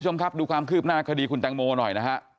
คุณผู้ชมครับดูความคืบหน้าคดีคุณแตงโมหน่อยนะฮะ